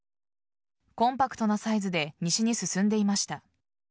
コンパクトなサイズで西に進んでいました。